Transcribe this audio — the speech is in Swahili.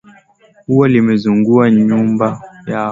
Ua limezungua nyumba yao